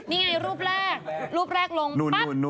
นี่ไงรูปแรกรูปแรกลงปั๊บ